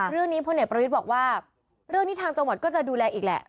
พลเอกประวิทย์บอกว่าเรื่องนี้ทางจังหวัดก็จะดูแลอีกแหละ